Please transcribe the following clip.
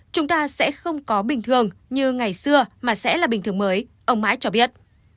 chúng ta sẽ không có bình thường như ngày xưa mà sẽ là bình thường mới ông mãi cho biết